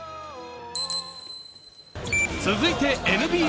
続いてＮＢＡ。